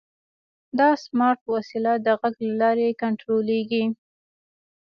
دا سمارټ وسیله د غږ له لارې کنټرولېږي.